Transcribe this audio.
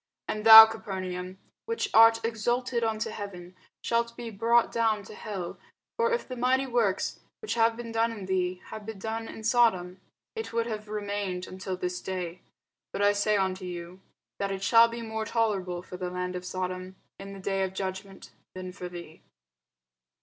And thou, Capernaum, which art exalted unto heaven, shalt be brought down to hell: for if the mighty works, which have been done in thee, had been done in Sodom, it would have remained until this day. But I say unto you, That it shall be more tolerable for the land of Sodom in the day of judgment, than for thee.